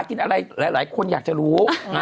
กินอะไรหลายคนอยากจะรู้